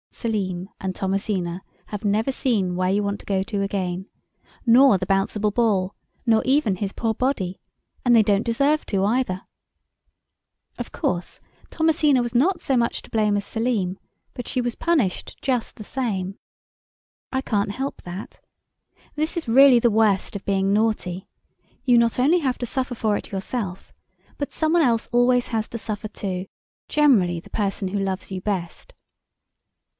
Selim and Thomasina have never seen "Whereyouwantogoto" again, nor the Bouncible Ball—not even his poor body—and they don't deserve to either. Of course, Thomasina was not so much to blame as Selim, but she was punished just the same. I can't help that. This is really the worst of being naughty. You not only have to suffer for it yourself, but some one else always has to suffer too, generally the person who loves you best.